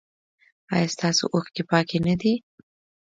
ایا ستاسو اوښکې پاکې نه دي؟